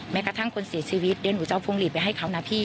กระทั่งคนเสียชีวิตเดี๋ยวหนูจะเอาพวงหลีดไปให้เขานะพี่